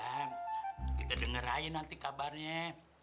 ehm kita dengerin nanti kabarnya